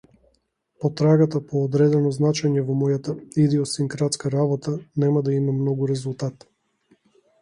Потрагата по одредено значење во мојата идиосинкратска работа нема да има многу резултат.